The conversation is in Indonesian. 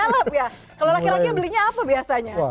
kalap ya kalau laki laki belinya apa biasanya